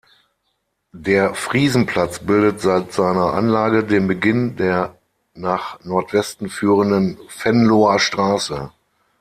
Der Friesenplatz bildet seit seiner Anlage den Beginn der nach Nordwesten führenden Venloer Straße.